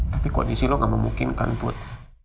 tapi kondisi lo gak memungkinkan put